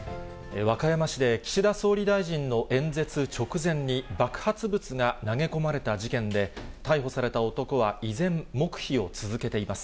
和歌山市で岸田総理大臣の演説直前に爆発物が投げ込まれた事件で、逮捕された男は依然、黙秘を続けています。